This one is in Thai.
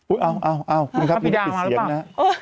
อุ้ยเอาคุณครับพี่ได้ปิดเสียงนะ